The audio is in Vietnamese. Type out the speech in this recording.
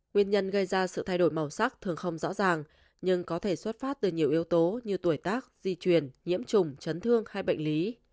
nguyên nhân gây ra sự thay đổi màu sắc thường không rõ ràng nhưng có thể xuất phát từ nhiều yếu tố như tuổi tác di truyền nhiễm trùng chấn thương hay bệnh lý